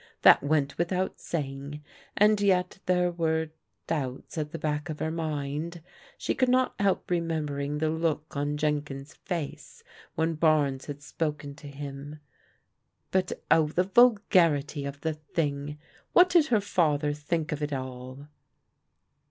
That went without saying, and yet there were doubts at the back of her mind. She could not help remembering the look on Jenkins' face when Barnes had spoken to him. But oh, the vulgarity of the thing ! What did her father think of it all